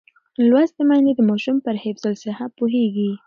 لوستې میندې د ماشوم پر حفظ الصحه پوهېږي.